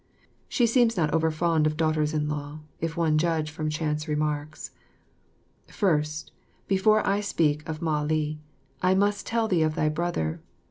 She seems not overfond of daughters in law, if one judge from chance remarks. First, before I speak or Mah li, I must tell thee of thy brother.